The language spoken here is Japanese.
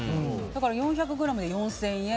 だから４００ｇで４０００円